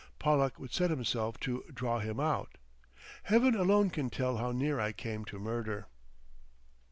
Pollack would set himself to "draw him out." Heaven alone can tell how near I came to murder.